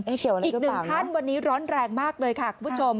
อีกหนึ่งท่านวันนี้ร้อนแรงมากเลยค่ะคุณผู้ชม